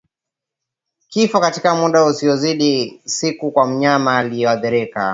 Kifo katika muda usiozidi siku kwa mnyama aliyeathirika